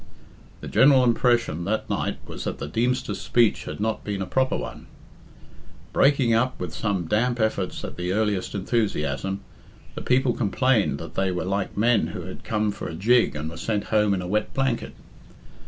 The general impression that night was that the Deemster's speech had not been a proper one. Breaking up with some damp efforts at the earlier enthusiasm, the people complained that they were like men who had come for a jig and were sent home in a wet blanket.